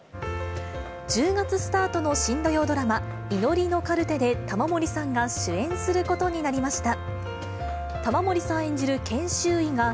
１０月スタートの新土曜ドラマ、祈りのカルテで、玉森さんが主演することになりました。